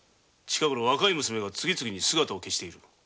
近頃若い娘が次々に姿を消している。